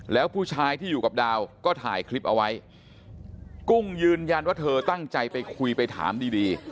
แล้วผู้ชายที่อยู่กับดาวก็ถ่ายคลิปเอาไว้กุ้งยืนยันว่าเธอตั้งใจไปคุยไปถามดีดี